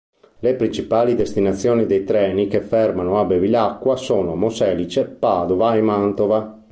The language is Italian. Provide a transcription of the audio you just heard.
Le principali destinazioni dei treni che fermano a Bevilacqua sono Monselice, Padova e Mantova.